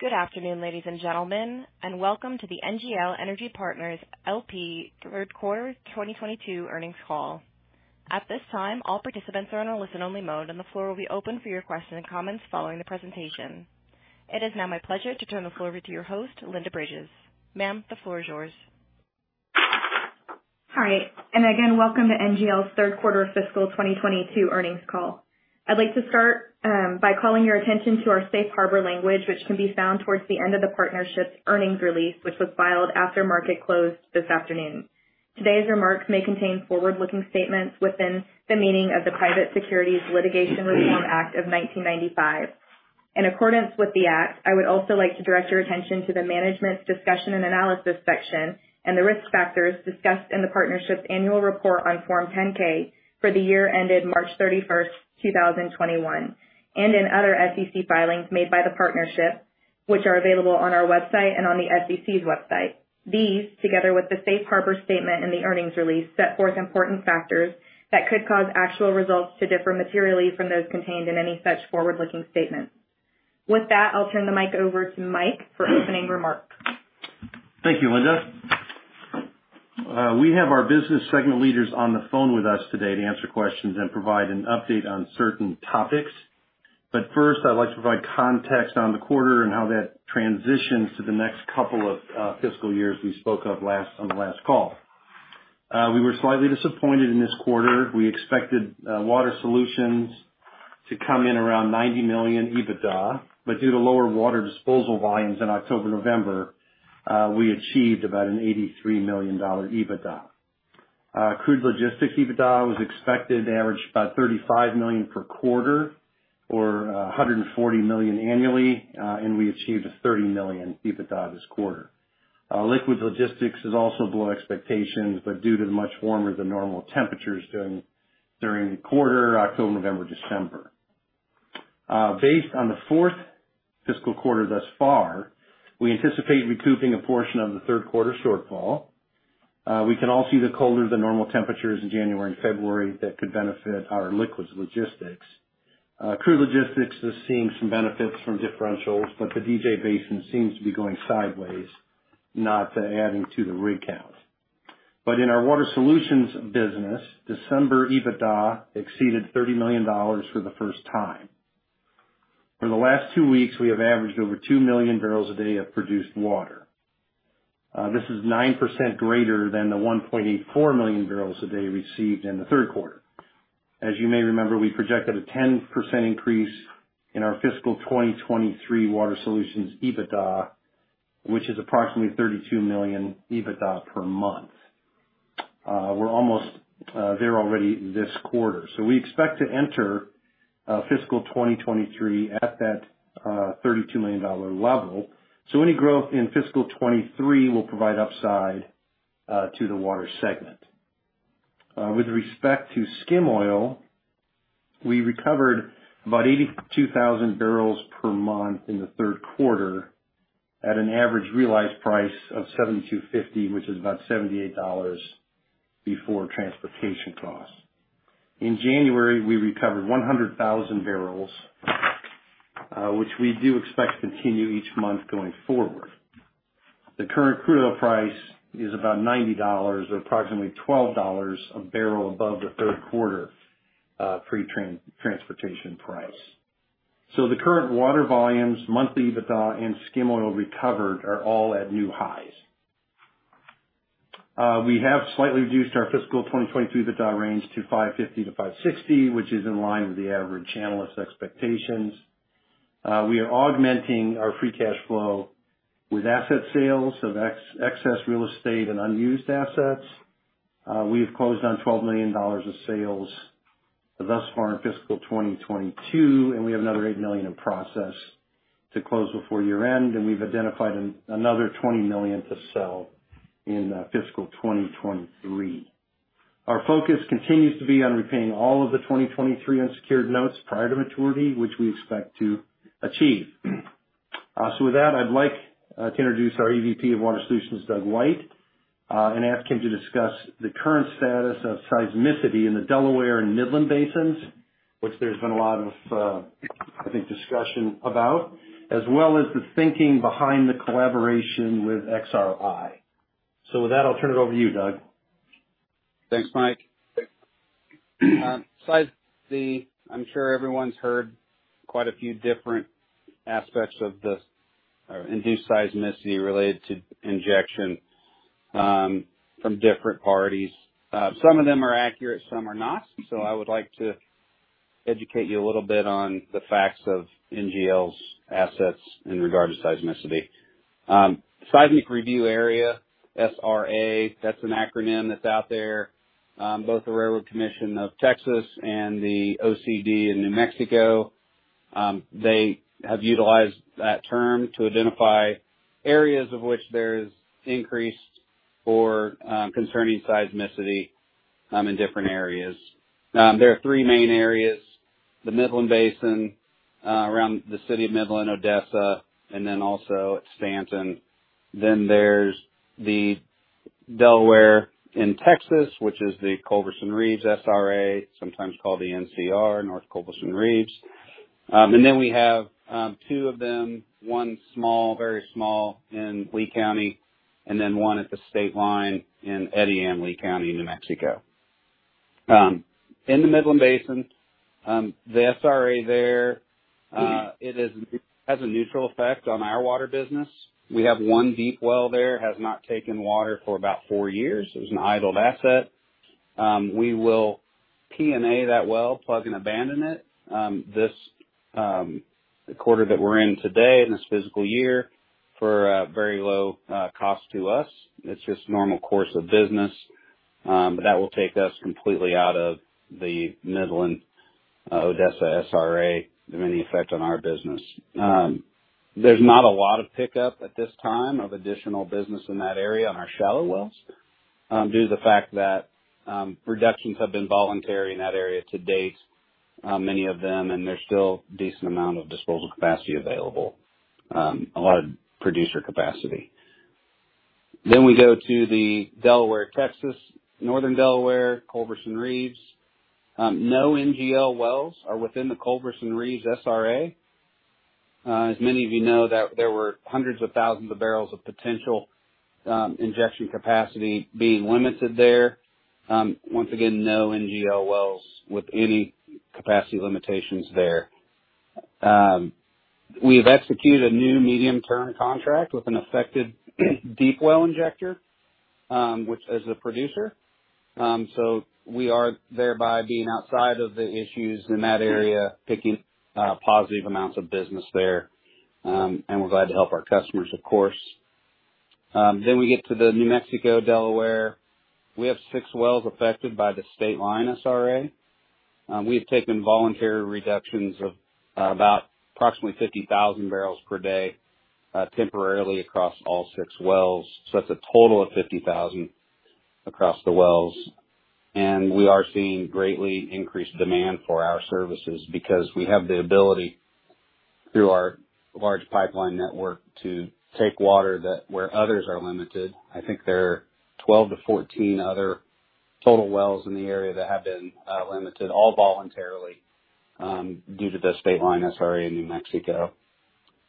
Good afternoon, ladies and gentlemen, and welcome to the NGL Energy Partners LP Third Quarter 2022 Earnings Call. At this time, all participants are in a listen-only mode, and the floor will be open for your questions and comments following the presentation. It is now my pleasure to turn the floor over to your host, Linda Bridges. Ma'am, the floor is yours. Hi, welcome to NGL's third quarter fiscal 2022 earnings call. I'd like to start by calling your attention to our safe harbor language, which can be found towards the end of the partnership's earnings release, which was filed after market closed this afternoon. Today's remarks may contain forward-looking statements within the meaning of the Private Securities Litigation Reform Act of 1995. In accordance with the act, I would also like to direct your attention to the management's discussion and analysis section and the risk factors discussed in the partnership's annual report on Form 10-K for the year ended March 31st, 2021 and in other SEC filings made by the partnership, which are available on our website and on the SEC's website. These, together with the safe harbor statement and the earnings release, set forth important factors that could cause actual results to differ materially from those contained in any such forward-looking statements. With that, I'll turn the mic over to Mike for opening remarks. Thank you, Linda. We have our business segment leaders on the phone with us today to answer questions and provide an update on certain topics. First, I'd like to provide context on the quarter and how that transitions to the next couple of fiscal years we spoke of on the last call. We were slightly disappointed in this quarter. We expected Water Solutions to come in around $90 million EBITDA, but due to lower water disposal volumes in October, November, we achieved about $83 million EBITDA. Crude Logistics EBITDA was expected to average about $35 million per quarter or $140 million annually. We achieved $30 million EBITDA this quarter. Liquids Logistics is also below expectations, but due to the much warmer than normal temperatures during the quarter, October, November, December. Based on the fourth fiscal quarter thus far, we anticipate recouping a portion of the third quarter shortfall. We can all see the colder than normal temperatures in January and February that could benefit our Liquids Logistics. Crude Logistics is seeing some benefits from differentials, but the DJ Basin seems to be going sideways, not adding to the rig count. In our Water Solutions business, December EBITDA exceeded $30 million for the first time. For the last two weeks, we have averaged over 2 million barrels a day of produced water. This is 9% greater than the 1.84 million barrels a day received in the third quarter. As you may remember, we projected a 10% increase in our fiscal 2023 Water Solutions EBITDA, which is approximately $32 million EBITDA per month. We're almost there already this quarter. We expect to enter fiscal 2023 at that $32 million level. Any growth in fiscal 2023 will provide upside to the water segment. With respect to skim oil, we recovered about 82,000 barrels per month in the third quarter at an average realized price of $72.50, which is about $78 before transportation costs. In January, we recovered 100,000 barrels, which we do expect to continue each month going forward. The current crude oil price is about $90 or approximately $12 a barrel above the third quarter pre-transportation price. The current water volumes, monthly EBITDA, and skim oil recovered are all at new highs. We have slightly reduced our fiscal 2023 EBITDA range to 550-560, which is in line with the average analyst expectations. We are augmenting our free cash flow with asset sales of excess real estate and unused assets. We have closed on $12 million of sales thus far in fiscal 2022, and we have another $8 million in process to close before year-end. We've identified another $20 million to sell in fiscal 2023. Our focus continues to be on repaying all of the 2023 unsecured notes prior to maturity, which we expect to achieve. With that, I'd like to introduce our EVP of Water Solutions, Doug White, and ask him to discuss the current status of seismicity in the Delaware and Midland basins, which there's been a lot of, I think, discussion about, as well as the thinking behind the collaboration with XRI. With that, I'll turn it over to you, Doug. Thanks, Mike. Seismicity, I'm sure everyone's heard quite a few different aspects of this, or induced seismicity related to injection, from different parties. Some of them are accurate, some are not. I would like to educate you a little bit on the facts of NGL's assets in regard to seismicity. Seismic review area, SRA, that's an acronym that's out there. Both the Railroad Commission of Texas and the OCD in New Mexico, they have utilized that term to identify areas of which there's increased or, concerning seismicity, in different areas. There are three main areas, the Midland Basin, around the city of Midland, Odessa, and then also at Stanton. There's the Delaware in Texas, which is the Culberson Reeves SRA, sometimes called the NCR, North Culberson Reeves. We have two of them, one small, very small in Lea County, and then one at the state line in Eddy and Lea County, New Mexico. In the Midland Basin, the SRA there has a neutral effect on our water business. We have one deep well there that has not taken water for about four years. It's an idled asset. We will P&A that well, plug and abandon it, this quarter that we're in today in this fiscal year for very low cost to us. It's just normal course of business. That will take us completely out of the Midland Odessa SRA and won't have any effect on our business. There's not a lot of pickup at this time of additional business in that area on our shallow wells, due to the fact that reductions have been voluntary in that area to date, many of them, and there's still decent amount of disposal capacity available, a lot of producer capacity. We go to the Delaware, Texas, Northern Delaware, Culberson Reeves. No NGL wells are within the Culberson Reeves SRA. As many of you know, that there were hundreds of thousands of barrels of potential injection capacity being limited there. Once again, no NGL wells with any capacity limitations there. We've executed a new medium-term contract with an affected deep well injector, which is a producer. We are thereby being outside of the issues in that area, picking positive amounts of business there. We're glad to help our customers, of course. We get to the New Mexico, Delaware. We have six wells affected by the state line SRA. We've taken voluntary reductions of about approximately 50,000 barrels per day, temporarily across all six wells. That's a total of 50,000 across the wells. We are seeing greatly increased demand for our services because we have the ability, through our large pipeline network, to take water where others are limited. I think there are 12-14 other total wells in the area that have been limited, all voluntarily, due to the state line SRA in New Mexico.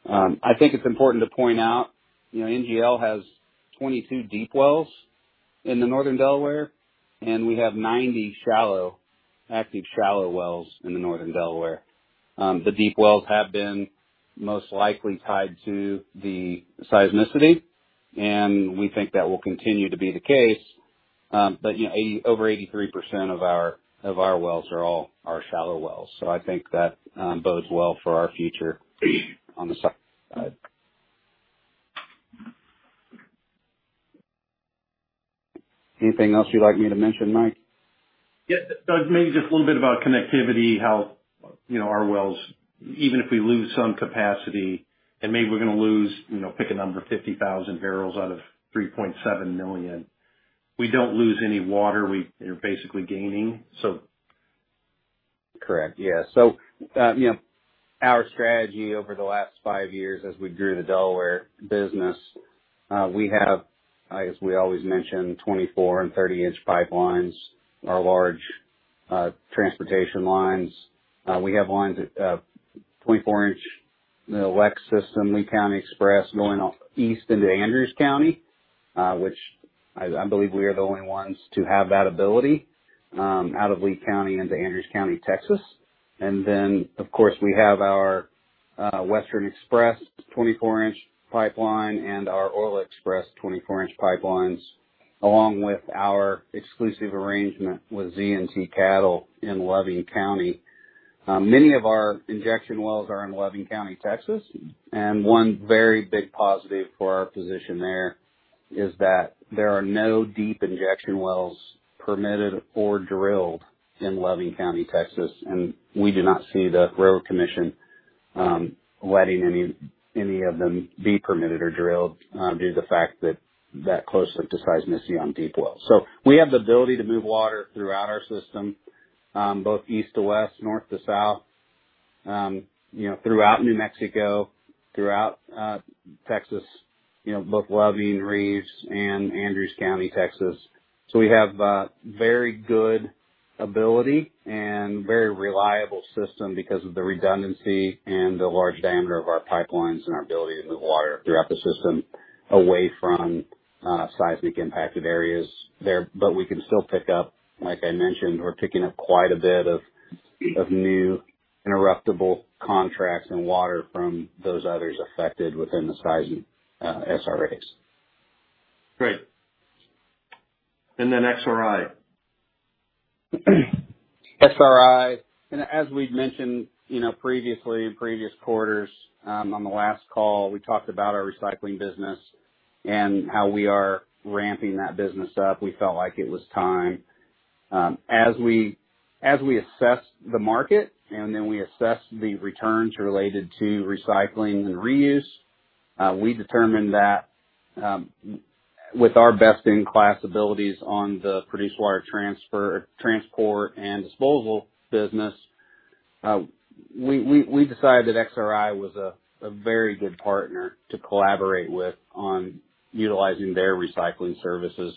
I think it's important to point out, you know, NGL has 22 deep wells in the northern Delaware, and we have 90 shallow, active shallow wells in the Northern Delaware. The deep wells have been most likely tied to the seismicity, and we think that will continue to be the case. You know, over 83% of our wells are shallow wells. I think that bodes well for our future on the side. Anything else you'd like me to mention, Mike? Yeah. Doug, maybe just a little bit about connectivity, how, you know, our wells, even if we lose some capacity, and maybe we're gonna lose, you know, pick a number, 50,000 barrels out of 3.7 million, we don't lose any water. You're basically gaining. Correct. Yeah. You know, our strategy over the last five years as we grew the Delaware business, we have, I guess we always mention, 24 and 30-inch pipelines are large transportation lines. We have lines at 24-inch, the LEX System, Lea County Express, going off east into Andrews County, which I believe we are the only ones to have that ability, out of Lea County into Andrews County, Texas. Of course, we have our Western Express 24-inch pipeline and our Oil Express 24-inch pipelines, along with our exclusive arrangement with Z&T Cattle in Loving County. Many of our injection wells are in Loving County, Texas, and one very big positive for our position there is that there are no deep injection wells permitted or drilled in Loving County, Texas. We do not see the Railroad Commission of Texas letting any of them be permitted or drilled due to the fact that that closeness to seismicity on deep wells. We have the ability to move water throughout our system, both east to west, north to south, you know, throughout New Mexico, throughout Texas, you know, both Loving, Reeves and Andrews County, Texas. We have a very good ability and very reliable system because of the redundancy and the large diameter of our pipelines and our ability to move water throughout the system away from seismic impacted areas there. We can still pick up. Like I mentioned, we're picking up quite a bit of new interruptible contracts and water from those others affected within the seismic SRAs. Great. XRI. XRI. As we've mentioned, you know, previously in previous quarters, on the last call, we talked about our recycling business and how we are ramping that business up. We felt like it was time. As we assess the market and then we assess the returns related to recycling and reuse, we determine that, with our best-in-class abilities on the produced water transport and disposal business, we decided that XRI was a very good partner to collaborate with on utilizing their recycling services.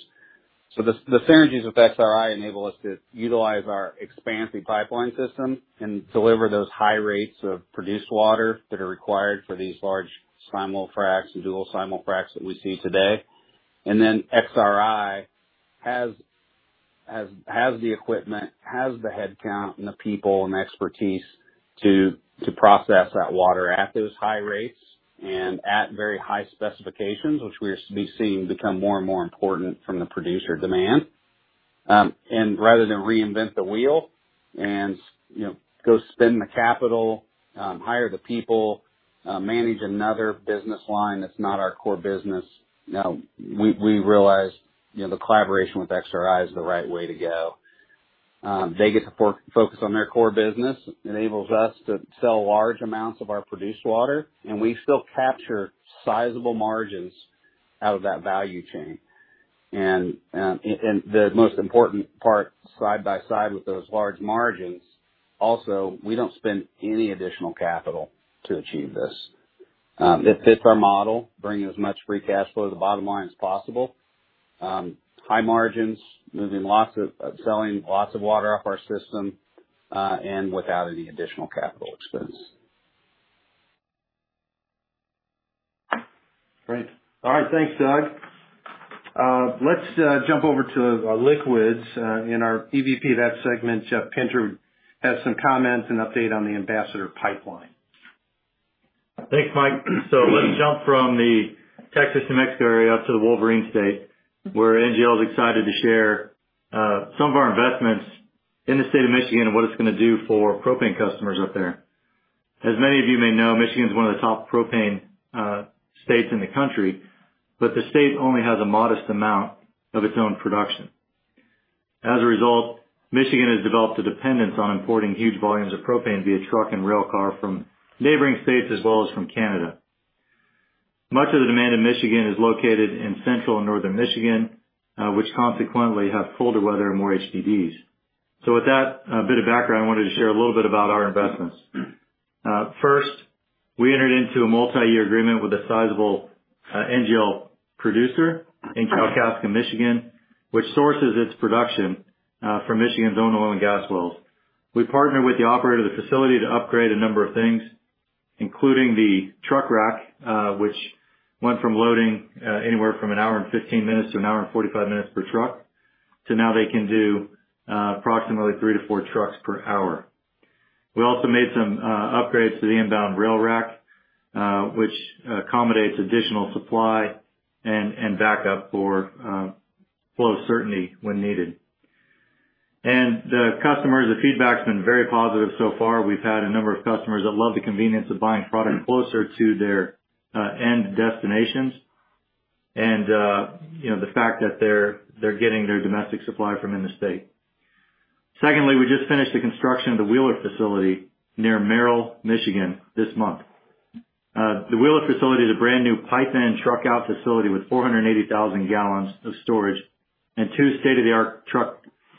The synergies with XRI enable us to utilize our expansive pipeline system and deliver those high rates of produced water that are required for these large simul-fracs and dual simul-fracs that we see today. Then XRI has the equipment, the headcount and the people and expertise to process that water at those high rates and at very high specifications, which we're seeing become more and more important from the producer demand. Rather than reinvent the wheel and, you know, go spend the capital, hire the people, manage another business line that's not our core business, you know, we realized, you know, the collaboration with XRI is the right way to go. They get to focus on their core business. It enables us to sell large amounts of our produced water, and we still capture sizable margins out of that value chain. The most important part, side by side with those large margins, also, we don't spend any additional capital to achieve this. It fits our model, bringing as much free cash flow to the bottom line as possible. High margins, selling lots of water off our system, and without any additional capital expense. Great. All right, thanks, Doug. Let's jump over to our Liquids, and our EVP of that segment, Jeff Pinter, has some comments and update on the Ambassador Pipeline. Thanks, Mike. Let's jump from the Texas to New Mexico area to the Wolverine State, where NGL is excited to share some of our investments in the state of Michigan and what it's gonna do for propane customers up there. As many of you may know, Michigan is one of the top propane states in the country, but the state only has a modest amount of its own production. As a result, Michigan has developed a dependence on importing huge volumes of propane via truck and rail car from neighboring states, as well as from Canada. Much of the demand in Michigan is located in Central and Northern Michigan, which consequently have colder weather and more HDDs. With that bit of background, I wanted to share a little bit about our investments. First, we entered into a multi-year agreement with a sizable NGL producer in Kalkaska, Michigan, which sources its production from Michigan's own oil and gas wells. We partnered with the operator of the facility to upgrade a number of things, including the truck rack, which went from loading anywhere from one hour and 15 minutes to one hour and 45 minutes per truck to now they can do approximately three to four trucks per hour. We also made some upgrades to the inbound rail rack, which accommodates additional supply and backup for flow certainty when needed. The customers, the feedback's been very positive so far. We've had a number of customers that love the convenience of buying product closer to their end destinations. You know, the fact that they're getting their domestic supply from in the state. Secondly, we just finished the construction of the Wheeler facility near Merrill, Michigan this month. The Wheeler facility is a brand new pipe-in truck-out facility with 480,000 gallons of storage and two state-of-the-art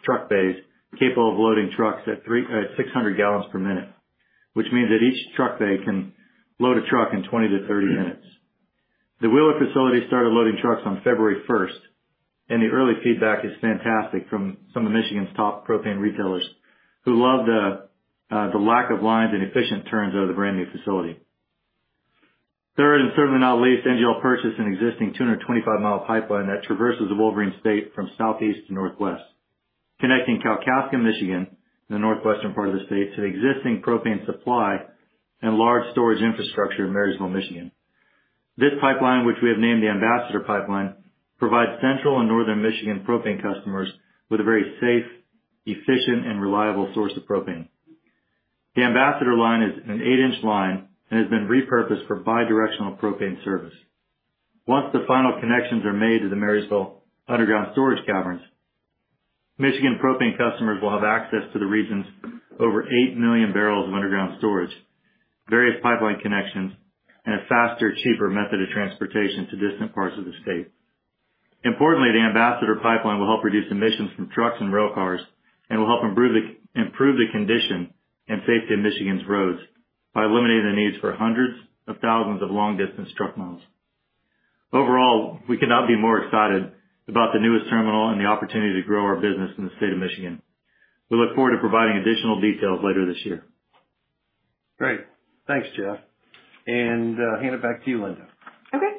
truck bays capable of loading trucks at 3,600 gallons per minute, which means that each truck bay can load a truck in 20 minutes-30 minutes. The Wheeler facility started loading trucks on February 1st, and the early feedback is fantastic from some of Michigan's top propane retailers, who love the lack of lines and efficient turns out of the brand new facility. Third, and certainly not least, NGL purchased an existing 225-mi pipeline that traverses the Wolverine state from southeast to northwest, connecting Kalkaska, Michigan, the northwestern part of the state, to the existing propane supply and large storage infrastructure in Marysville, Michigan. This pipeline, which we have named the Ambassador Pipeline, provides Central and Northern Michigan propane customers with a very safe, efficient, and reliable source of propane. The Ambassador line is an 8-inch line and has been repurposed for bi-directional propane service. Once the final connections are made to the Marysville underground storage caverns, Michigan propane customers will have access to the region's over 8 million barrels of underground storage, various pipeline connections, and a faster, cheaper method of transportation to distant parts of the state. Importantly, the Ambassador Pipeline will help reduce emissions from trucks and rail cars and will help improve the condition and safety of Michigan's roads by eliminating the needs for hundreds of thousands of long-distance truck miles. Overall, we could not be more excited about the newest terminal and the opportunity to grow our business in the state of Michigan. We look forward to providing additional details later this year. Great. Thanks, Jeff. Hand it back to you, Linda. Okay.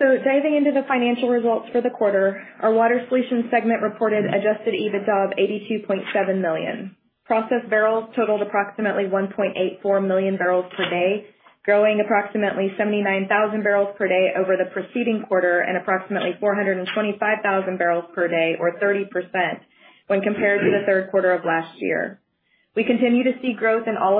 Diving into the financial results for the quarter. Our Water Solutions segment reported adjusted EBITDA of $82.7 million. Processed barrels totaled approximately 1.84 million barrels per day, growing approximately 79,000 barrels per day over the preceding quarter and approximately 425,000 barrels per day or 30% when compared to the third quarter of last year. We continue to see growth in all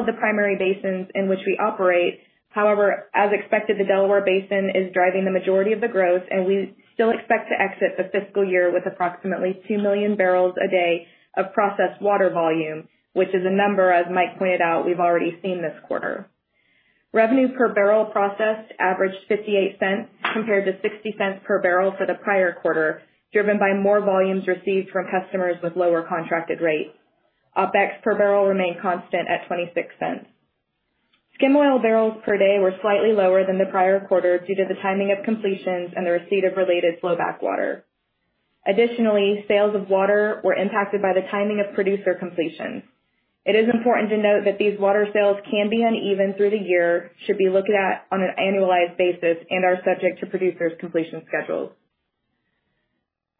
of the primary basins in which we operate. However, as expected, the Delaware Basin is driving the majority of the growth, and we still expect to exit the fiscal year with approximately 2 million barrels a day of processed water volume, which is a number, as Mike pointed out, we've already seen this quarter. Revenue per barrel processed averaged $0.58 compared to $0.60 per barrel for the prior quarter, driven by more volumes received from customers with lower contracted rates. OpEx per barrel remained constant at $0.26. Skim oil barrels per day were slightly lower than the prior quarter due to the timing of completions and the receipt of related flow back water. Additionally, sales of water were impacted by the timing of producer completions. It is important to note that these water sales can be uneven through the year, should be looked at on an annualized basis and are subject to producers' completion schedules.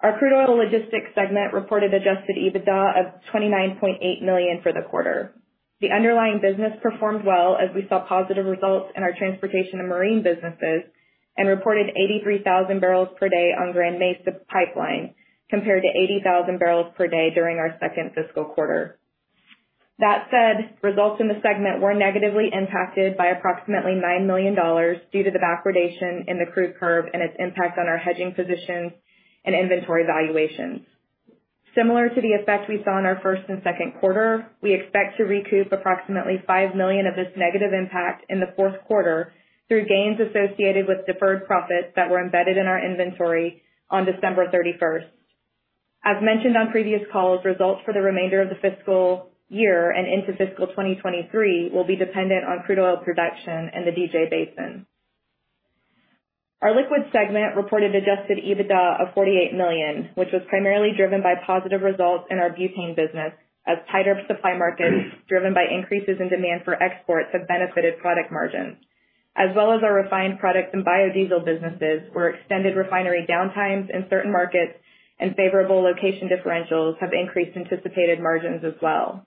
Our Crude Oil Logistics segment reported adjusted EBITDA of $29.8 million for the quarter. The underlying business performed well as we saw positive results in our transportation and marine businesses, and reported 83,000 barrels per day on Grand Mesa Pipeline, compared to 80,000 barrels per day during our second fiscal quarter. That said, results in the segment were negatively impacted by approximately $9 million due to the backwardation in the crude curve and its impact on our hedging positions and inventory valuations. Similar to the effect we saw in our first and second quarter, we expect to recoup approximately $5 million of this negative impact in the fourth quarter through gains associated with deferred profits that were embedded in our inventory on December 31st. As mentioned on previous calls, results for the remainder of the fiscal year and into fiscal 2023 will be dependent on crude oil production in the DJ Basin. Our Liquids segment reported adjusted EBITDA of $48 million, which was primarily driven by positive results in our butane business as tighter supply markets driven by increases in demand for exports have benefited product margins, as well as our refined products and biodiesel businesses where extended refinery downtimes in certain markets and favorable location differentials have increased anticipated margins as well.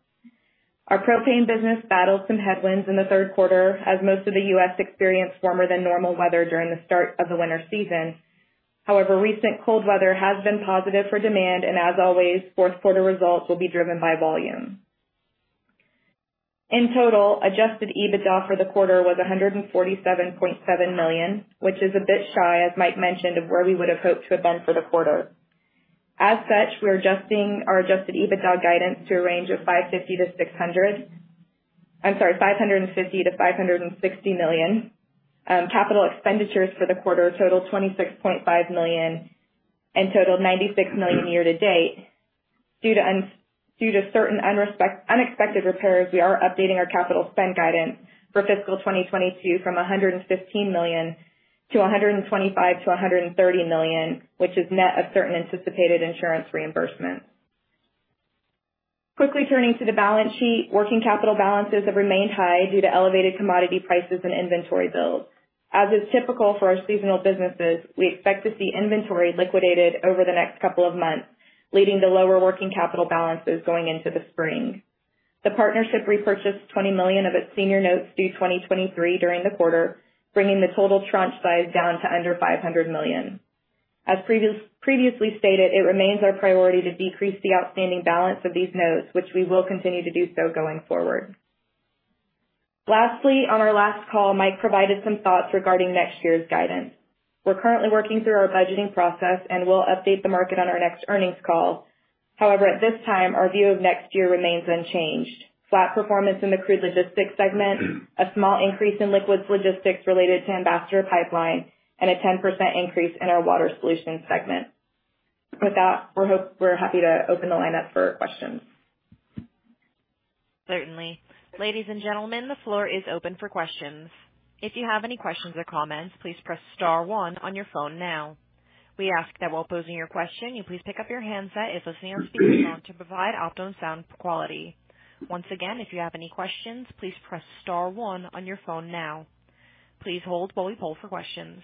Our propane business battled some headwinds in the third quarter as most of the U.S. experienced warmer than normal weather during the start of the winter season. However, recent cold weather has been positive for demand and as always, fourth quarter results will be driven by volume. In total, adjusted EBITDA for the quarter was $147.7 million, which is a bit shy, as Mike mentioned, of where we would have hoped to have been for the quarter. As such, we're adjusting our adjusted EBITDA guidance to a range of $550 million-$560 million. Capital expenditures for the quarter totaled $26.5 million and totaled $96 million year to date. Due to certain unexpected repairs, we are updating our capital spend guidance for fiscal 2022 from $115 million to $125 million-$130 million, which is net of certain anticipated insurance reimbursements. Quickly turning to the balance sheet, working capital balances have remained high due to elevated commodity prices and inventory builds. As is typical for our seasonal businesses, we expect to see inventory liquidated over the next couple of months, leading to lower working capital balances going into the spring. The partnership repurchased $20 million of its senior notes due 2023 during the quarter, bringing the total tranche size down to under $500 million. As previously stated, it remains our priority to decrease the outstanding balance of these notes, which we will continue to do so going forward. Lastly, on our last call, Mike provided some thoughts regarding next year's guidance. We're currently working through our budgeting process and will update the market on our next earnings call. However, at this time our view of next year remains unchanged. Flat performance in the Crude Oil Logistics segment, a small increase in Liquids Logistics related to Ambassador Pipeline, and a 10% increase in our Water Solutions segment. With that, we're happy to open the line up for questions. Certainly. Ladies and gentlemen, the floor is open for questions. If you have any questions or comments, please press star one on your phone now. We ask that while posing your question, you please pick up your handset and listen to your speakerphone to provide optimal sound quality. Once again, if you have any questions, please press star one on your phone now. Please hold while we poll for questions.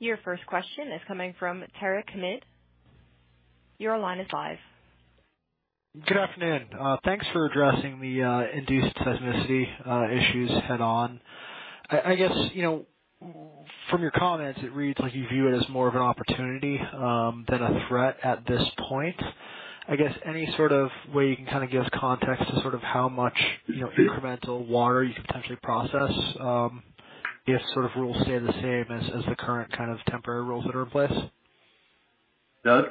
Your first question is coming from Derrick Whitfield. Your line is live. Good afternoon. Thanks for addressing the induced seismicity issues head on. I guess, you know, from your comments, it reads like you view it as more of an opportunity than a threat at this point. I guess any sort of way you can kind of give context to sort of how much, you know, incremental water you could potentially process, if sort of rules stay the same as the current kind of temporary rules that are in place. Doug?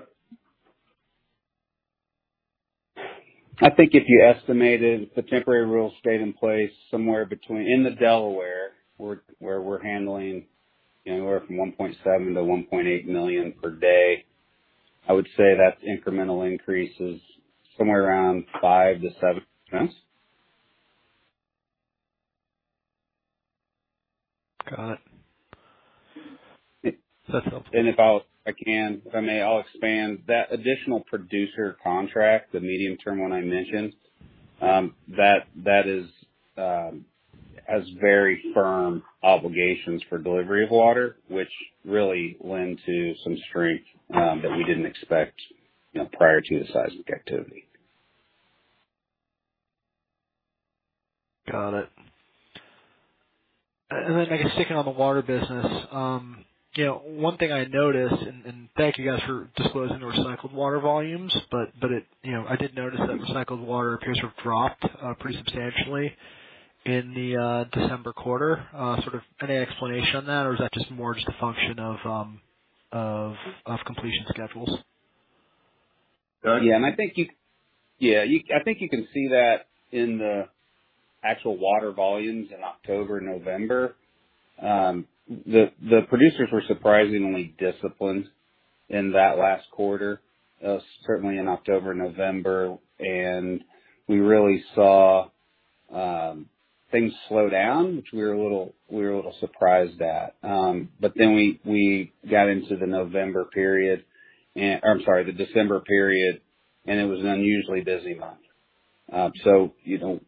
I think if you estimated the temporary rules stayed in place somewhere between in the Delaware, where we're handling anywhere from 1.7 million-1.8 million per day, I would say that incremental increase is somewhere around $0.05-$0.07. Got it. If I may, I'll expand. That additional producer contract, the medium-term one I mentioned, that is, has very firm obligations for delivery of water, which really lend to some strength, that we didn't expect. You know, prior to the seismic activity. Got it. I guess sticking on the water business. You know, one thing I noticed and thank you guys for disclosing the recycled water volumes, but it, you know, I did notice that recycled water appears to have dropped pretty substantially in the December quarter. Sort of any explanation on that? Or is that just more just a function of completion schedules? I think you can see that in the actual water volumes in October, November. The producers were surprisingly disciplined in that last quarter, certainly in October, November. We really saw things slow down, which we were a little surprised at. Then we got into the November period, I'm sorry, the December period, and it was an unusually busy month. You know,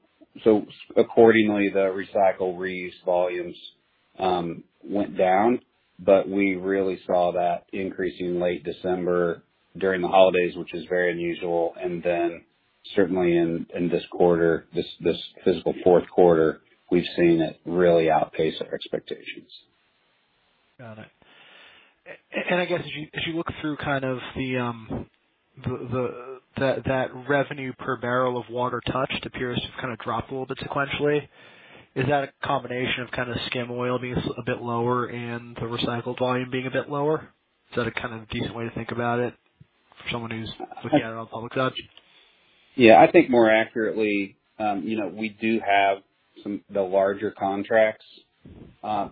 accordingly, the recycle reuse volumes went down. We really saw that increase in late December during the holidays, which is very unusual. Then certainly in this quarter, this physical fourth quarter, we've seen it really outpace our expectations. Got it. I guess as you look through kind of the revenue per barrel of water touched appears to kind of drop a little bit sequentially. Is that a combination of kind of skim oil being a bit lower and the recycled volume being a bit lower? Is that a kind of decent way to think about it for someone who's looking at it on a public sub? Yeah, I think more accurately, you know, we do have the larger contracts.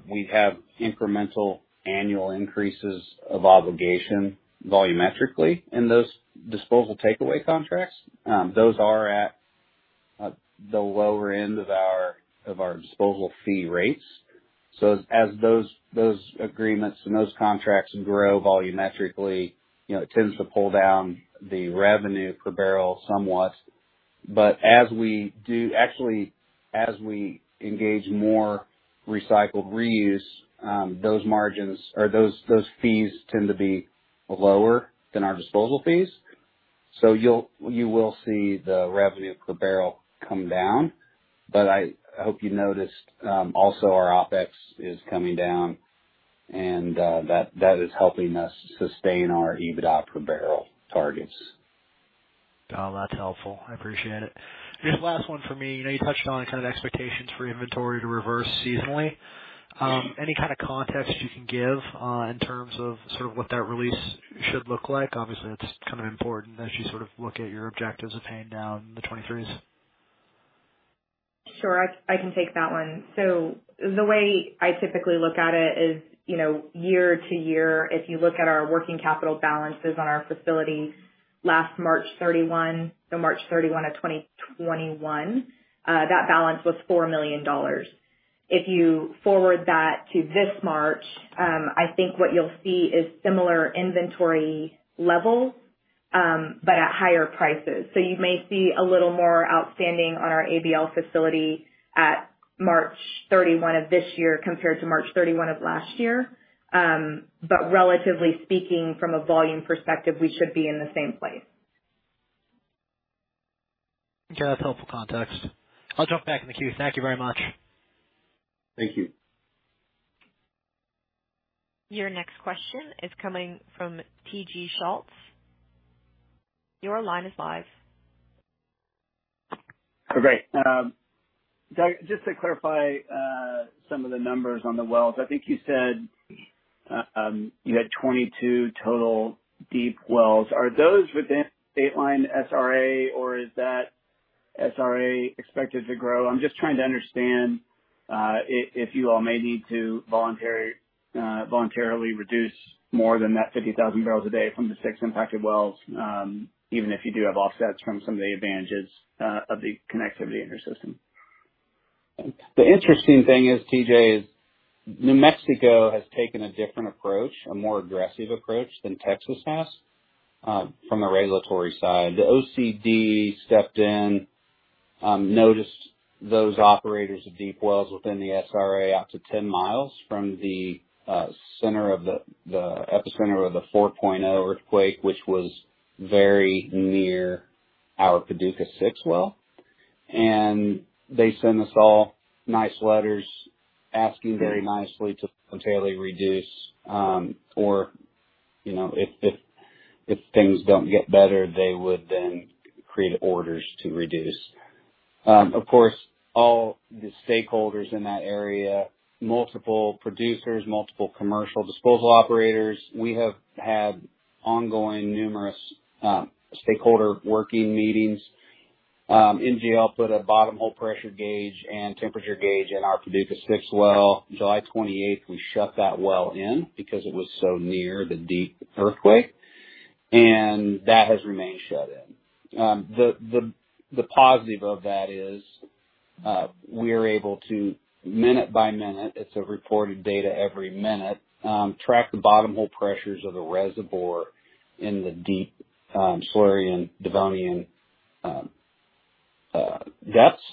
We have incremental annual increases of obligation volumetrically in those disposal takeaway contracts. Those are at the lower end of our disposal fee rates. As those agreements and those contracts grow volumetrically, you know, it tends to pull down the revenue per barrel somewhat. Actually, as we engage more recycled reuse, those margins or those fees tend to be lower than our disposal fees. You will see the revenue per barrel come down. I hope you noticed also our OpEx is coming down and that is helping us sustain our EBITDA per barrel targets. Oh, that's helpful. I appreciate it. Just last one for me. You know, you touched on kind of expectations for inventory to reverse seasonally. Any kind of context you can give, in terms of sort of what that release should look like? Obviously that's kind of important as you sort of look at your objectives of paying down the 2023s. Sure, I can take that one. The way I typically look at it is, you know, year to year, if you look at our working capital balances on our facilities, last March 31, so March 31 of 2021, that balance was $4 million. If you forward that to this March, I think what you'll see is similar inventory levels, but at higher prices. You may see a little more outstanding on our ABL facility at March 31 of this year compared to March 31 of last year. But relatively speaking, from a volume perspective, we should be in the same place. Yeah, that's helpful context. I'll jump back in the queue. Thank you very much. Thank you. Your next question is coming from TJ Schultz. Your line is live. Great. Doug, just to clarify, some of the numbers on the wells. I think you said you had 22 total deep wells. Are those within Dateline SRA or is that SRA expected to grow? I'm just trying to understand if you all may need to voluntarily reduce more than that 50,000 barrels a day from the six impacted wells, even if you do have offsets from some of the advantages of the connectivity in your system. The interesting thing is, TJ, is New Mexico has taken a different approach, a more aggressive approach than Texas has, from a regulatory side. The OCD stepped in, noticed those operators of deep wells within the SRA out to 10 mi from the center of the epicenter of the 4.0 earthquake, which was very near our Paducah six well. They send us all nice letters asking very nicely to potentially reduce, or, you know, if things don't get better, they would then create orders to reduce. Of course, all the stakeholders in that area, multiple producers, multiple commercial disposal operators. We have had ongoing numerous stakeholder working meetings. NGL put a bottom hole pressure gauge and temperature gauge in our Paducah six well. July 28th, we shut that well in because it was so near the deep earthquake, and that has remained shut in. The positive of that is, we are able to, minute by minute, it's reported data every minute, track the bottom hole pressures of the reservoir in the deep Silurian-Devonian depths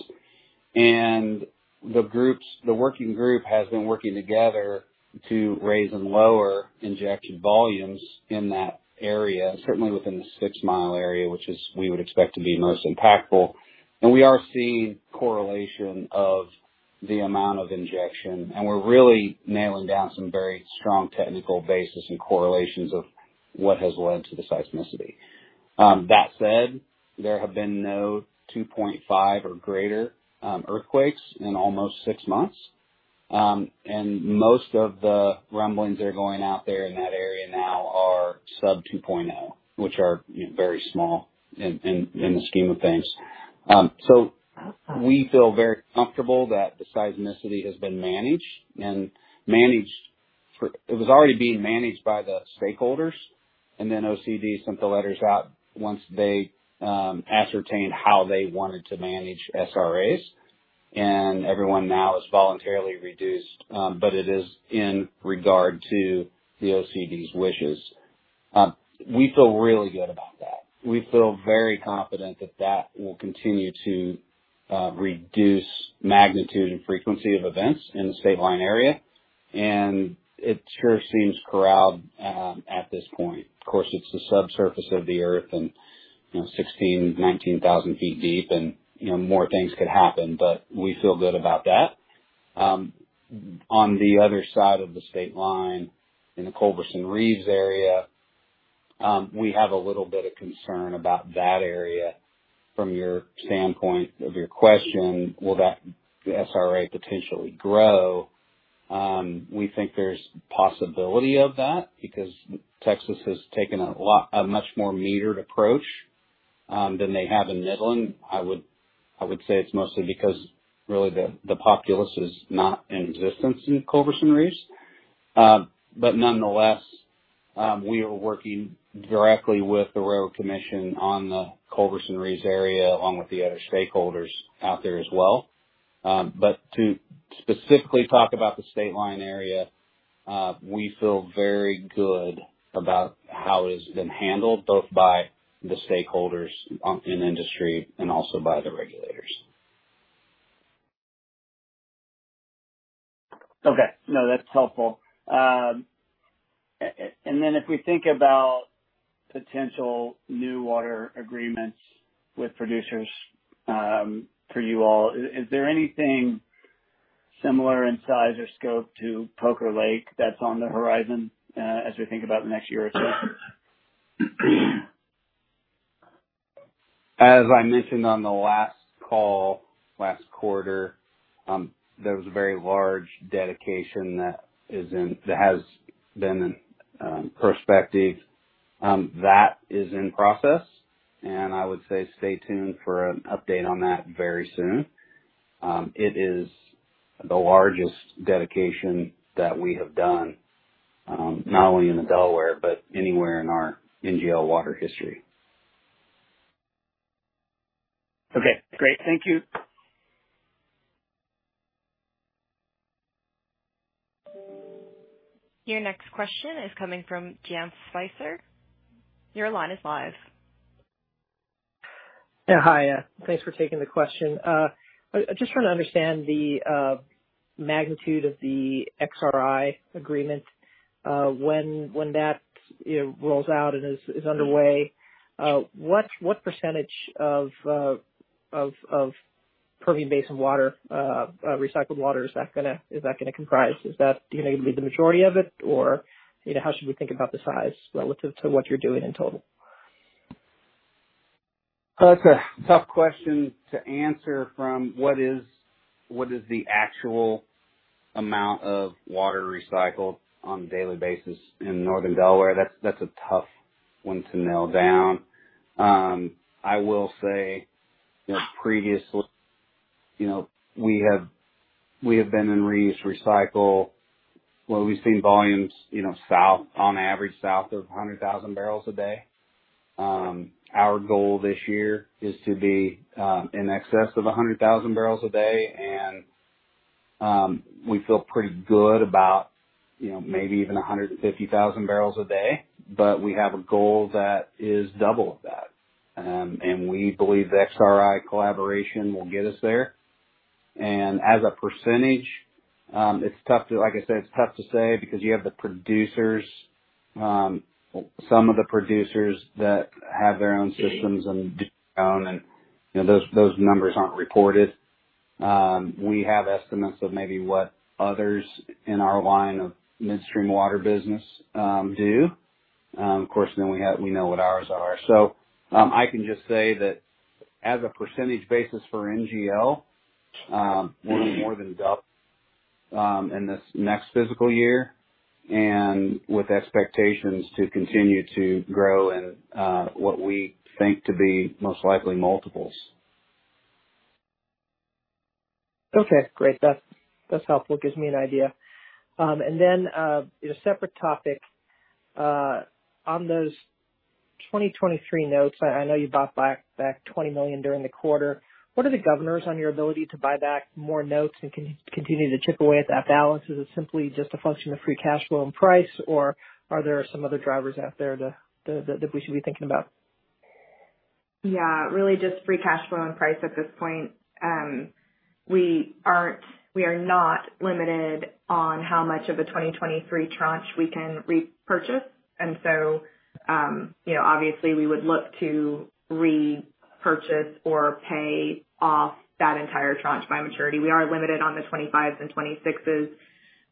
and the working group has been working together to raise and lower injection volumes in that area, certainly within the six-mile area, which we would expect to be most impactful. We are seeing correlation of the amount of injection, and we're really nailing down some very strong technical basis and correlations of what has led to the seismicity. That said, there have been no 2.5 or greater earthquakes in almost six months. Most of the rumblings that are going out there in that area now are sub 2.0, which are very small in the scheme of things. We feel very comfortable that the seismicity has been managed for. It was already being managed by the stakeholders, and then OCD sent the letters out once they ascertained how they wanted to manage SRAs. Everyone now has voluntarily reduced, but it is in regard to the OCD's wishes. We feel really good about that. We feel very confident that that will continue to reduce magnitude and frequency of events in the state line area, and it sure seems corralled at this point. Of course, it's the subsurface of the earth and 16,000 ft-19,000 ft deep and, you know, more things could happen, but we feel good about that. On the other side of the state line in the Culberson-Reeves area, we have a little bit of concern about that area. From your standpoint of your question, will that SRA potentially grow? We think there's possibility of that because Texas has taken a much more metered approach than they have in Midland. I would say it's mostly because really the populace is not in existence in Culberson-Reeves. Nonetheless, we are working directly with the Railroad Commission on the Culberson-Reeves area, along with the other stakeholders out there as well. To specifically talk about the state line area, we feel very good about how it has been handled, both by the stakeholders in industry and also by the regulators. Okay. No, that's helpful. If we think about potential new water agreements with producers, for you all, is there anything similar in size or scope to Poker Lake that's on the horizon, as we think about the next year or so? As I mentioned on the last call last quarter, there was a very large dedication that has been prospective. That is in process, and I would say stay tuned for an update on that very soon. It is the largest dedication that we have done, not only in the Delaware, but anywhere in our NGL water history. Okay, great. Thank you. Your next question is coming from James Spicer. Your line is live. Yeah. Hi. Thanks for taking the question. I'm just trying to understand the magnitude of the XRI agreement, when that, you know, rolls out and is underway. What percentage of Permian Basin water, recycled water, is that gonna comprise? Is that going to be the majority of it? Or how should we think about the size relative to what you're doing in total? That's a tough question to answer. What is the actual amount of water recycled on a daily basis in Northern Delaware? That's a tough one to nail down. I will say previously, you know, we have been in reuse recycle where we've seen volumes, you know, south of 100,000 barrels a day on average. Our goal this year is to be in excess of 100,000 barrels a day. We feel pretty good about, you know, maybe even 150,000 barrels a day. We have a goal that is double of that. We believe the XRI collaboration will get us there. As a percentage, it's tough to, like I said, it's tough to say because you have the producers, some of the producers that have their own systems and those numbers aren't reported. We have estimates of maybe what others in our line of midstream water business do. Of course, we know what ours are. I can just say that as a percentage basis for NGL, we're more than doubled in this next fiscal year and with expectations to continue to grow in what we think to be most likely multiples. Okay, great. That's helpful. Gives me an idea. In a separate topic, on those 2023 notes, I know you bought back $20 million during the quarter. What are the governors on your ability to buy back more notes and continue to chip away at that balance? Is it simply just a function of free cash flow and price, or are there some other drivers out there that we should be thinking about? Yeah, really just free cash flow and price at this point. We are not limited on how much of a 2023 tranche we can repurchase. You know, obviously we would look to repurchase or pay off that entire tranche by maturity. We are limited on the 2025s and 2026s. I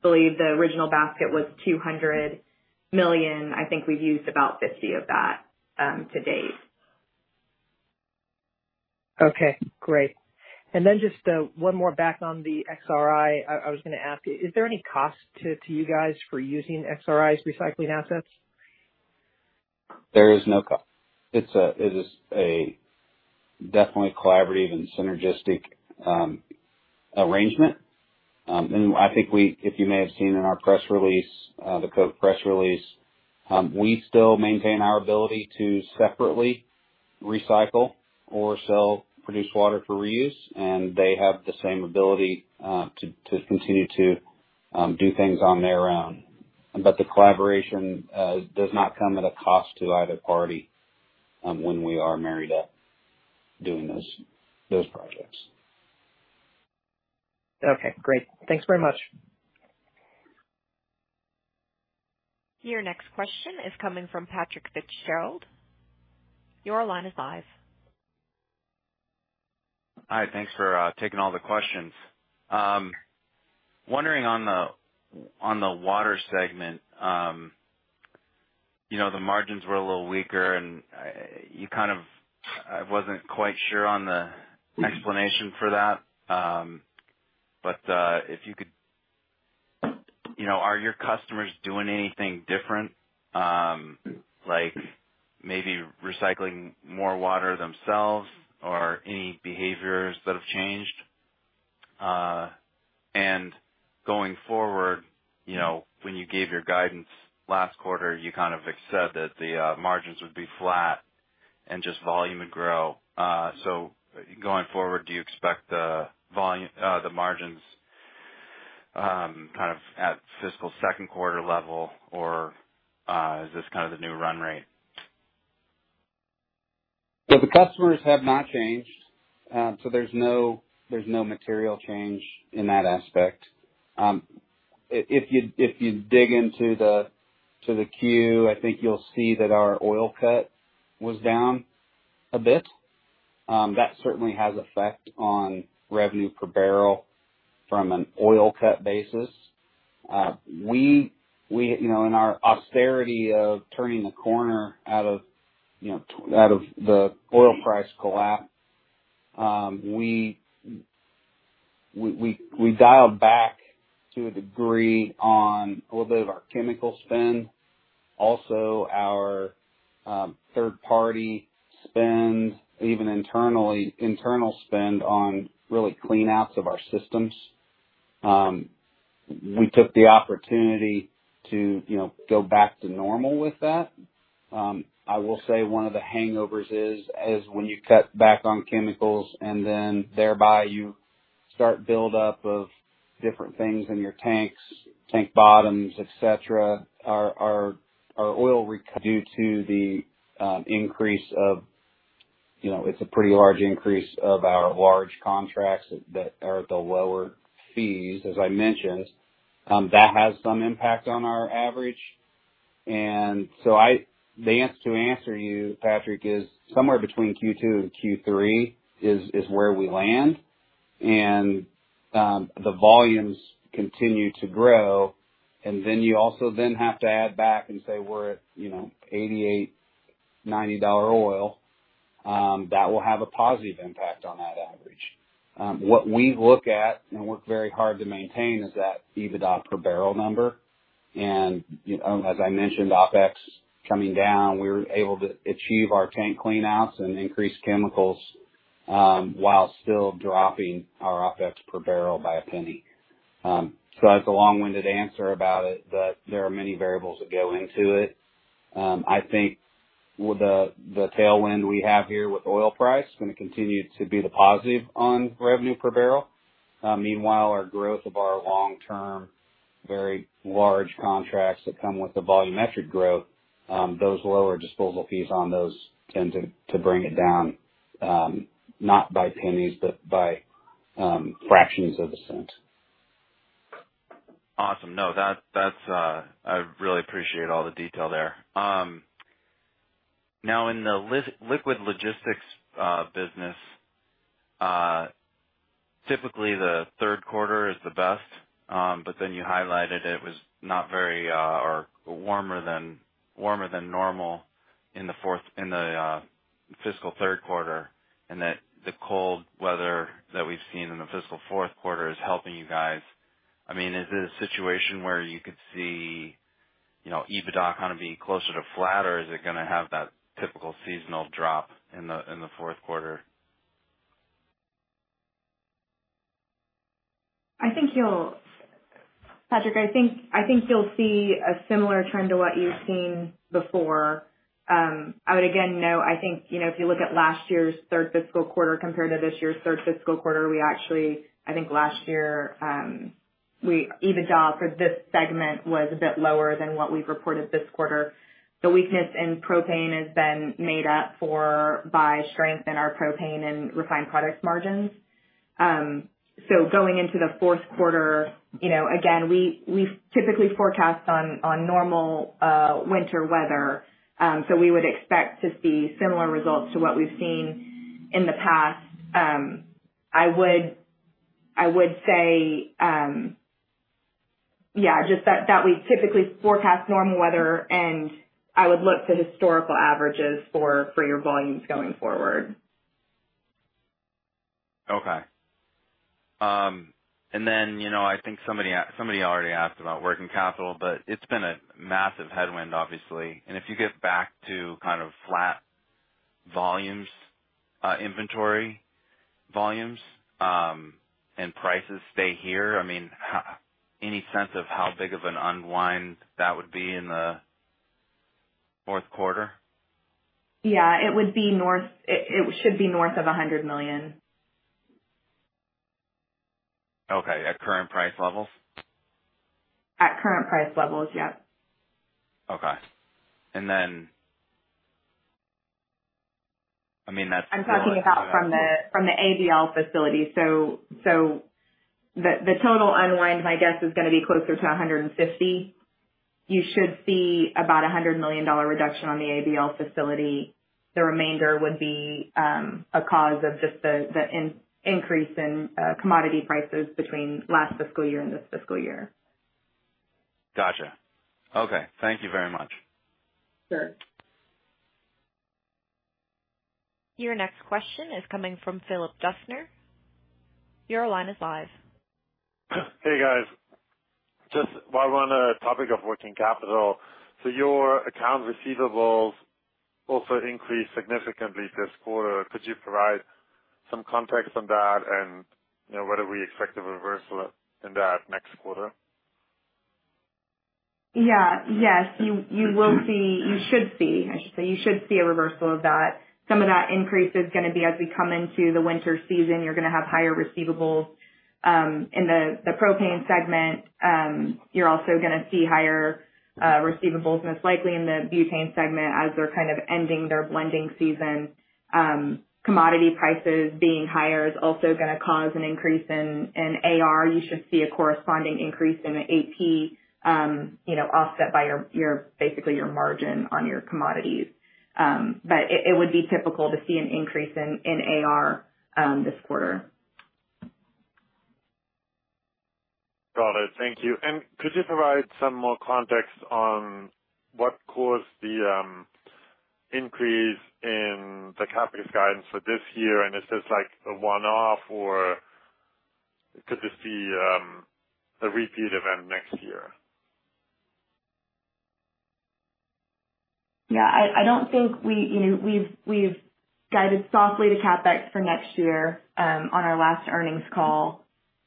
believe the original basket was $200 million. I think we've used about $50 million of that to date. Okay, great. Just one more back on the XRI. I was gonna ask you, is there any cost to you guys for using XRI's recycling assets? There is no cost. It is a definitely collaborative and synergistic arrangement. I think if you may have seen in our press release, the joint press release, we still maintain our ability to separately recycle or sell produced water for reuse, and they have the same ability to continue to do things on their own. The collaboration does not come at a cost to either party when we are married up doing those projects. Okay, great. Thanks very much. Your next question is coming from Patrick Fitzgerald. Your line is live. All right. Thanks for taking all the questions. Wondering on the water segment, you know, the margins were a little weaker, and I wasn't quite sure on the explanation for that. If you could, you know, are your customers doing anything different, like maybe recycling more water themselves or any behaviors that have changed? Going forward, you know, when you gave your guidance last quarter, you kind of said that the margins would be flat and just volume would grow. Going forward, do you expect the margins kind of at fiscal second quarter level, or is this kind of the new run rate? The customers have not changed. There's no material change in that aspect. If you dig into the Q, I think you'll see that our oil cut was down a bit. That certainly has effect on revenue per barrel from an oil cut basis. We, you know, in our austerity of turning the corner out of the oil price collapse, we dialed back to a degree on a little bit of our chemical spend, also our third party spend, even internal spend on really clean outs of our systems. We took the opportunity to, you know, go back to normal with that. I will say one of the hangovers is when you cut back on chemicals and then thereby you start buildup of different things in your tanks, tank bottoms, et cetera. Due to the increase of, you know, it's a pretty large increase of our large contracts that are at the lower fees, as I mentioned. That has some impact on our average. The answer to you, Patrick, is somewhere between Q2 and Q3 where we land. The volumes continue to grow. You also have to add back and say we're at, you know, $88-$90 oil. That will have a positive impact on that average. What we look at and work very hard to maintain is that EBITDA per barrel number. As I mentioned, OpEx coming down, we were able to achieve our tank clean outs and increase chemicals, while still dropping our OpEx per barrel by $0.01. That's a long-winded answer about it, but there are many variables that go into it. I think with the tailwind we have here with oil price gonna continue to be the positive on revenue per barrel. Meanwhile, our growth of our long term very large contracts that come with the volumetric growth, those lower disposal fees on those tend to bring it down, not by pennies, but by fractions of a cent. Awesome. No, that's. I really appreciate all the detail there. Now, in the Liquids Logistics business, typically the third quarter is the best. But then you highlighted it was warmer than normal in the fiscal third quarter, and that the cold weather that we've seen in the fiscal fourth quarter is helping you guys. I mean, is it a situation where you could see, you know, EBITDA kind of being closer to flat, or is it gonna have that typical seasonal drop in the fourth quarter? I think you'll see a similar trend to what you've seen before, Patrick. I would again note, I think, you know, if you look at last year's third fiscal quarter compared to this year's third fiscal quarter, I think last year EBITDA for this segment was a bit lower than what we've reported this quarter. The weakness in propane has been made up for by strength in our propane and refined products margins. Going into the fourth quarter, you know, again, we typically forecast on normal winter weather. We would expect to see similar results to what we've seen in the past. I would say, yeah, just that we typically forecast normal weather, and I would look to historical averages for your volumes going forward. Okay. You know, I think somebody already asked about working capital, but it's been a massive headwind, obviously. If you get back to kind of flat volumes, inventory volumes, and prices stay here, I mean, any sense of how big of an unwind that would be in the fourth quarter? It should be north of $100 million. Okay. At current price levels? At current price levels, yep. I mean, that's. I'm talking about from the ABL facility. The total unwind, my guess, is gonna be closer to $150 million. You should see about a $100 million reduction on the ABL facility. The remainder would be because of just the increase in commodity prices between last fiscal year and this fiscal year. Gotcha. Okay. Thank you very much. Sure. Your next question is coming from Philip Jessner. Your line is live. Hey, guys. Just while we're on the topic of working capital. Your accounts receivables also increased significantly this quarter. Could you provide some context on that and, you know, whether we expect a reversal in that next quarter? You will see a reversal of that. Some of that increase is gonna be as we come into the winter season. You're gonna have higher receivables in the propane segment. You're also gonna see higher receivables, most likely in the butane segment as they're kind of ending their blending season. Commodity prices being higher is also gonna cause an increase in AR. You should see a corresponding increase in the AP, you know, offset by your basically your margin on your commodities. It would be typical to see an increase in AR this quarter. Got it. Thank you. Could you provide some more context on what caused the increase in the CapEx guidance for this year? Is this like a one-off or could this be a repeat event next year? I don't think we—you know, we've guided softly to CapEx for next year on our last earnings call.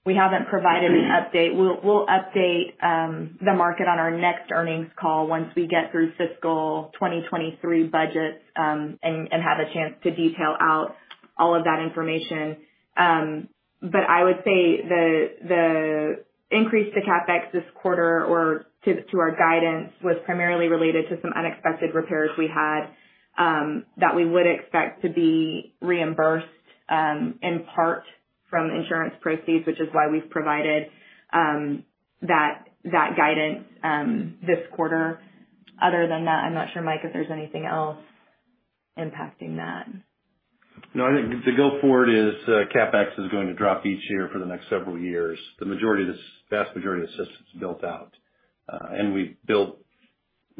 We haven't provided an update. We'll update the market on our next earnings call once we get through fiscal 2023 budgets and have a chance to detail out all of that information. I would say the increase to CapEx this quarter or to our guidance was primarily related to some unexpected repairs we had that we would expect to be reimbursed in part from insurance proceeds, which is why we've provided that guidance this quarter. Other than that, I'm not sure, Mike, if there's anything else impacting that. No, I think the go-forward is CapEx is going to drop each year for the next several years. The majority, the vast majority of the system's built out. We've built,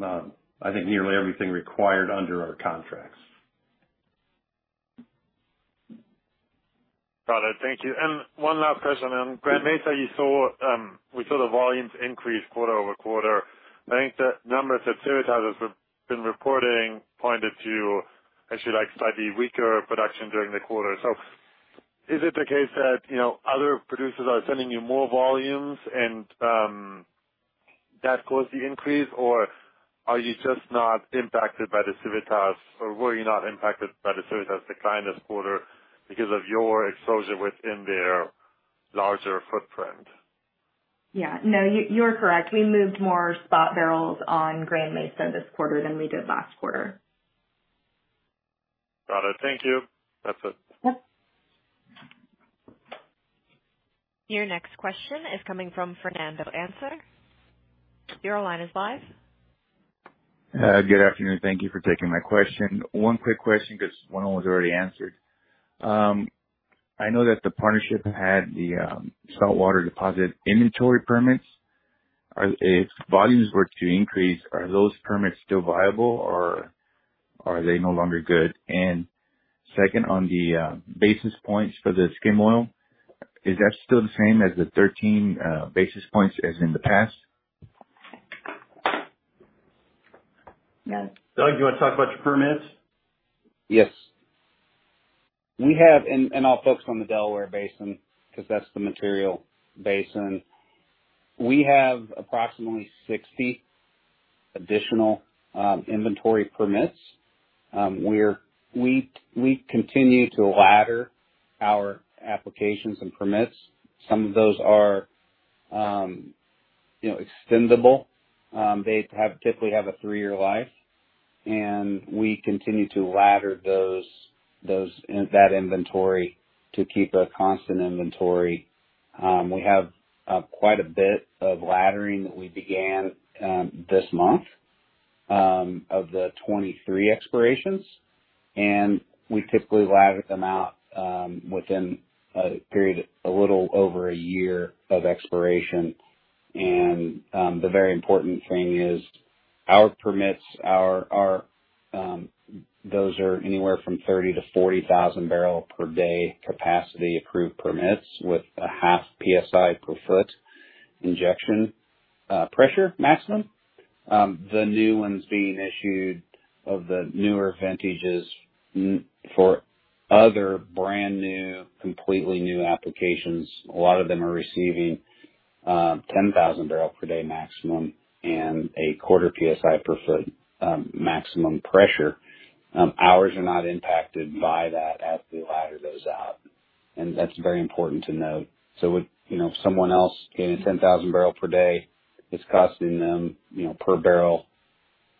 I think nearly everything required under our contracts. Got it. Thank you. One last question on Grand Mesa. You saw, we saw the volumes increase quarter-over-quarter. I think the numbers that Civitas have been reporting pointed to actually like slightly weaker production during the quarter. Is it the case that, you know, other producers are sending you more volumes and, that caused the increase? Or are you just not impacted by the Civitas decline this quarter because of your exposure within their larger footprint? Yeah. No, you're correct. We moved more spot barrels on Grand Mesa this quarter than we did last quarter. Got it. Thank you. That's it. Yep. Your next question is coming from Fernando Anzures. Your line is live. Good afternoon. Thank you for taking my question. One quick question, 'cause one was already answered. I know that the partnership had the saltwater deposit inventory permits. If volumes were to increase, are those permits still viable or are they no longer good? And second, on the basis points for the skim oil, is that still the same as the 13 basis points as in the past? Yes. Doug, do you wanna talk about your permits? Yes. I'll focus on the Delaware Basin because that's the material basin. We have approximately 60 additional inventory permits. We continue to ladder our applications and permits. Some of those are, you know, extendable. They typically have a three-year life, and we continue to ladder those that inventory to keep a constant inventory. We have quite a bit of laddering that we began this month of the 23 expirations. We typically ladder them out within a period a little over a year of expiration. The very important thing is our permits are, those are anywhere from 30,000-40,000 barrel per day capacity approved permits with a half psi per foot injection pressure maximum. The new ones being issued of the newer vintages for other brand new, completely new applications, a lot of them are receiving 10,000 barrel per day maximum and 0.25 psi per ft maximum pressure. Ours are not impacted by that as we ladder those out. That's very important to note. If you know, someone else gaining 10,000 barrels per day, it's costing them, you know, per barrel,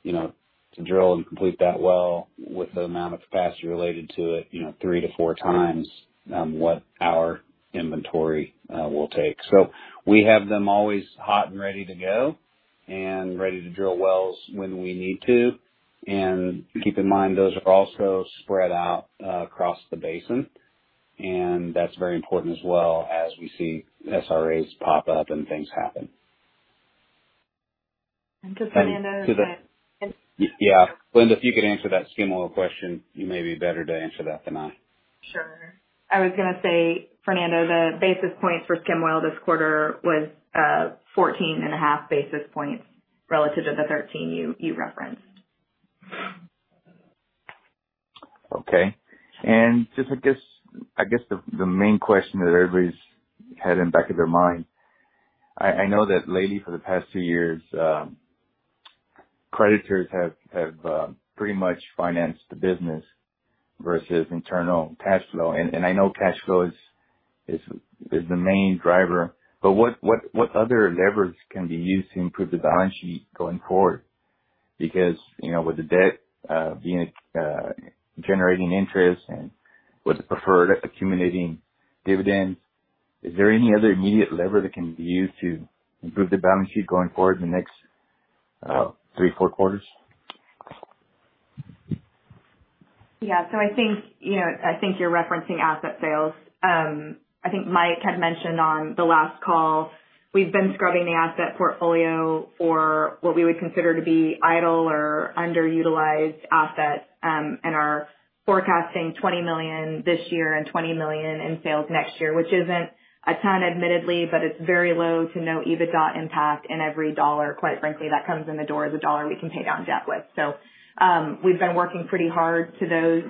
you know, to drill and complete that well with the amount of capacity related to it, you know, 3x-4x what our inventory will take. We have them always hot and ready to go and ready to drill wells when we need to. Keep in mind, those are also spread out across the basin. That's very important as well as we see SRAs pop up and things happen. Just Fernando. Yeah. Linda, if you could answer that skim oil question, you may be better to answer that than I. Sure. I was gonna say, Fernando, the basis points for skim oil this quarter was 14.5 basis points relative to the 13 you referenced. Okay. Just I guess the main question that everybody's had in back of their mind. I know that lately, for the past two years, creditors have pretty much financed the business versus internal cash flow. I know cash flow is the main driver. What other levers can be used to improve the balance sheet going forward? Because, you know, with the debt being generating interest and with the preferred accumulating dividends, is there any other immediate lever that can be used to improve the balance sheet going forward in the next three, four quarters? Yeah. I think, you know, I think you're referencing asset sales. I think Mike had mentioned on the last call, we've been scrubbing the asset portfolio for what we would consider to be idle or underutilized assets, and are forecasting $20 million this year and $20 million in sales next year, which isn't a ton, admittedly, but it's very low to no EBITDA impact. Every dollar, quite frankly, that comes in the door is a dollar we can pay down debt with. We've been working pretty hard to those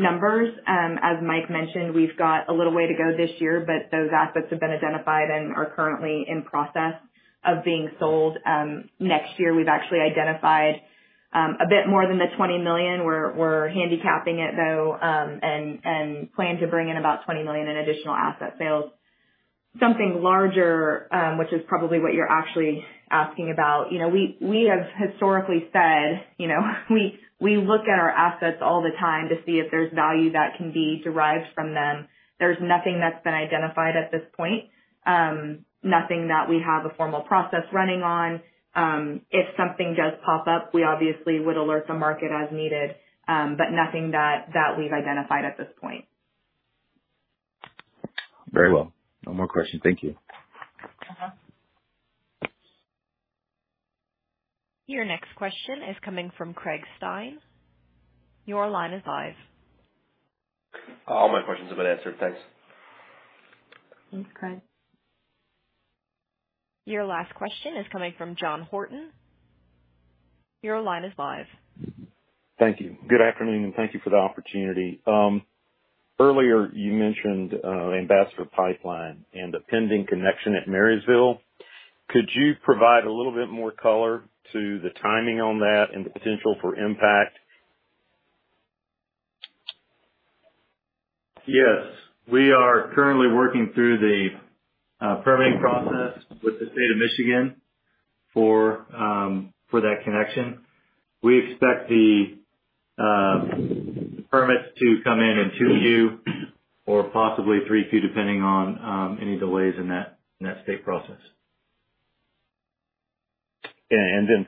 numbers. As Mike mentioned, we've got a little way to go this year, but those assets have been identified and are currently in process of being sold. Next year, we've actually identified a bit more than the $20 million. We're handicapping it, though, and plan to bring in about $20 million in additional asset sales. Something larger, which is probably what you're actually asking about. You know, we have historically said, you know, we look at our assets all the time to see if there's value that can be derived from them. There's nothing that's been identified at this point. Nothing that we have a formal process running on. If something does pop up, we obviously would alert the market as needed. Nothing that we've identified at this point. Very well. No more questions. Thank you. Uh-huh. Your next question is coming from Craig Stein. Your line is live. All my questions have been answered. Thanks. Thanks, Craig. Your last question is coming from Jon Horvath. Your line is live. Thank you. Good afternoon, and thank you for the opportunity. Earlier you mentioned, Ambassador Pipeline and the pending connection at Marysville. Could you provide a little bit more color to the timing on that and the potential for impact? Yes. We are currently working through the permitting process with the state of Michigan for that connection. We expect the permits to come in in Q2 or possibly Q3, depending on any delays in that state process.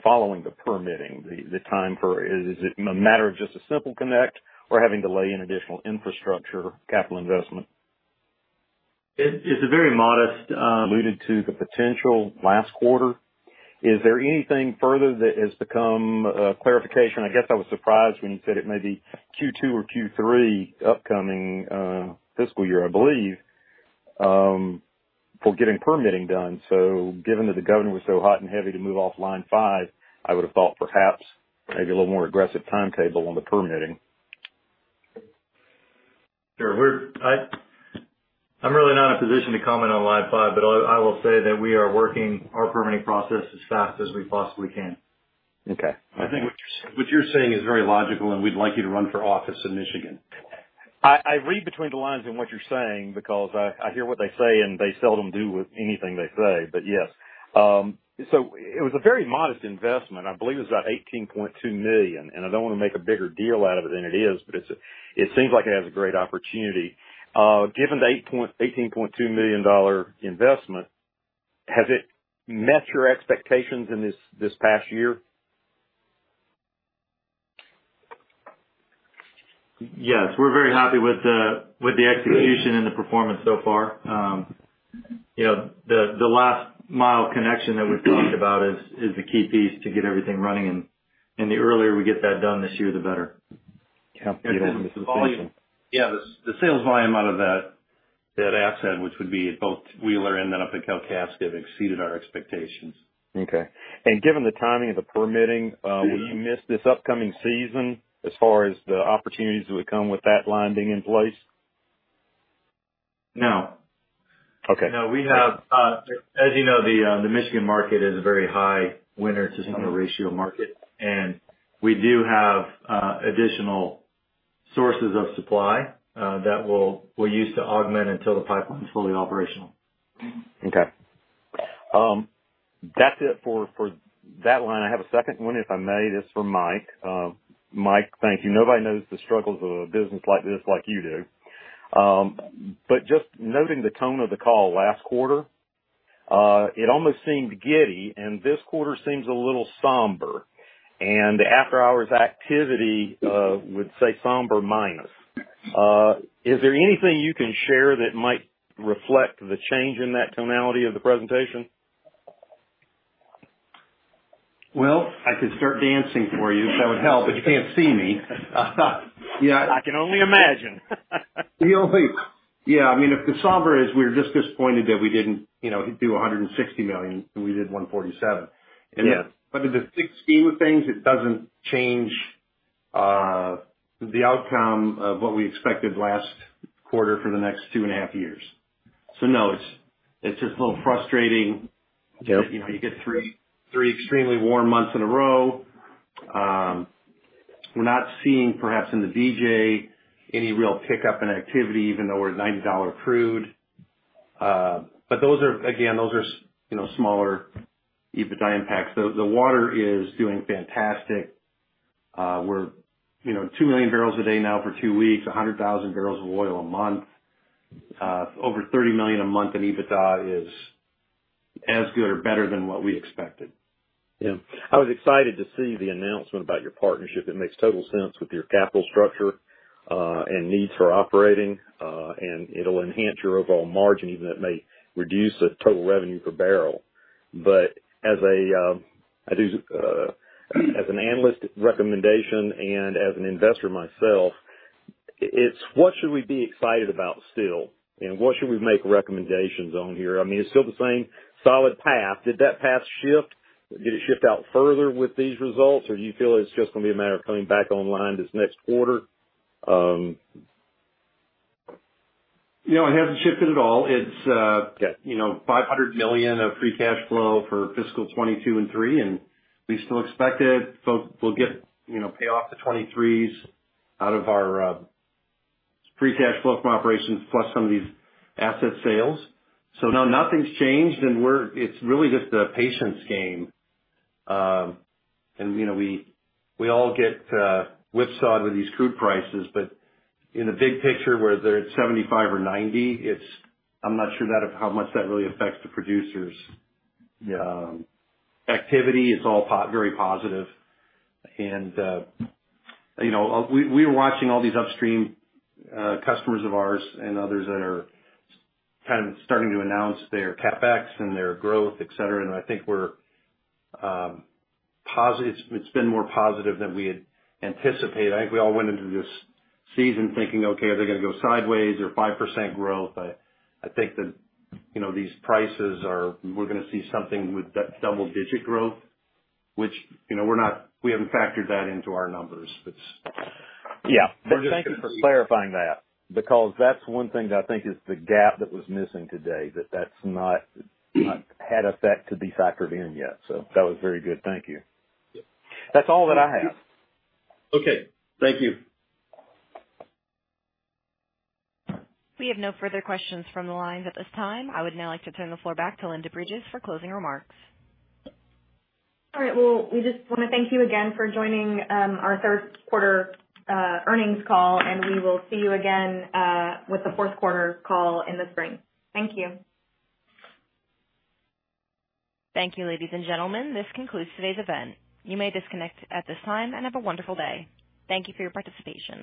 Following the permitting, the time for it, is it a matter of just a simple connect or having to lay in additional infrastructure capital investment? It is a very modest. Alluded to the potential last quarter. Is there anything further that has become clarification? I guess I was surprised when you said it may be Q2 or Q3 upcoming fiscal year, I believe, for getting permitting done. Given that the governor was so hot and heavy to move off Line 5, I would have thought perhaps maybe a little more aggressive timetable on the permitting. Sure. I'm really not in a position to comment on Line 5, but I will say that we are working our permitting process as fast as we possibly can. Okay. I think what you're saying is very logical, and we'd like you to run for office in Michigan. I read between the lines in what you're saying because I hear what they say, and they seldom do with anything they say, but yes. It was a very modest investment. I believe it was about $18.2 million, and I don't want to make a bigger deal out of it than it is, but it seems like it has a great opportunity. Given the $18.2 million investment, has it met your expectations in this past year? Yes. We're very happy with the execution and the performance so far. You know, the last mile connection that we've talked about is the key piece to get everything running, and the earlier we get that done this year, the better. Can't get it into the system. Yeah. The sales volume out of that asset, which would be both Wheeler and then up at Kalkaska, have exceeded our expectations. Okay. Given the timing of the permitting, will you miss this upcoming season as far as the opportunities that would come with that line being in place? No. Okay. No. We have. As you know, the Michigan market is a very high winter to summer ratio market, and we do have additional sources of supply that we'll use to augment until the pipeline is fully operational. That's it for that line. I have a second one if I may. This is for Mike. Mike, thank you. Nobody knows the struggles of a business like this like you do. Just noting the tone of the call last quarter, it almost seemed giddy, and this quarter seems a little somber. After hours activity would say somber minus. Is there anything you can share that might reflect the change in that tonality of the presentation? Well, I could start dancing for you if that would help, but you can't see me. Yeah, I can only imagine. I mean, if the number is, we're just disappointed that we didn't, you know, do $160 million, and we did $147 million. Yeah. In the big scheme of things, it doesn't change the outcome of what we expected last quarter for the next 2.5 years. No, it's just a little frustrating. Yeah. You know, you get three extremely warm months in a row. We're not seeing perhaps in the DJ any real pickup in activity even though we're at $90 crude. But those are again, those are, you know, smaller EBITDA impacts. The water is doing fantastic. We're, you know, 2 million barrels a day now for two weeks, 100,000 barrels of oil a month. Over 30 million a month in EBITDA is as good or better than what we expected. Yeah. I was excited to see the announcement about your partnership. It makes total sense with your capital structure and needs for operating, and it'll enhance your overall margin, even if it may reduce the total revenue per barrel. As an analyst recommendation and as an investor myself, it's what should we be excited about still, and what should we make recommendations on here? I mean, it's still the same solid path. Did that path shift? Did it shift out further with these results, or do you feel it's just gonna be a matter of coming back online this next quarter? You know, it hasn't shifted at all. It's Yeah. You know, $500 million of free cash flow for fiscal 2022 and 2023, and we still expect it. We'll get, you know, pay off the 2023s out of our free cash flow from operations plus some of these asset sales. No, nothing's changed, and it's really just a patience game. You know, we all get whipsawed with these crude prices, but in the big picture where they're at $75 or $90, it's. I'm not sure how much that really affects the producers. Yeah. Activity is all very positive. You know, we're watching all these upstream customers of ours and others that are kind of starting to announce their CapEx and their growth, et cetera, and I think we're positive. It's been more positive than we had anticipated. I think we all went into this season thinking, okay, are they gonna go sideways or 5% growth? I think that, you know, these prices are. We're gonna see something with that double-digit growth, which, you know, we haven't factored that into our numbers. Yeah. We're just- Thank you for clarifying that because that's one thing that I think is the gap that was missing today, that that's not yet had effect to be factored in yet. That was very good. Thank you. Yeah. That's all that I have. Okay. Thank you. We have no further questions from the line at this time. I would now like to turn the floor back to Linda Bridges for closing remarks. All right. Well, we just wanna thank you again for joining our third quarter earnings call, and we will see you again with the fourth quarter call in the spring. Thank you. Thank you, ladies and gentlemen. This concludes today's event. You may disconnect at this time and have a wonderful day. Thank you for your participation.